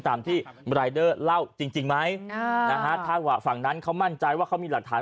ตามที่รายเดอร์เล่าจริงไหมนะฮะถ้าว่าฝั่งนั้นเขามั่นใจว่าเขามีหลักฐาน